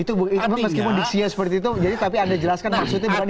itu meskipun diksia seperti itu tapi anda jelaskan maksudnya bukan itu